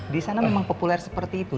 di sana memang populer seperti itu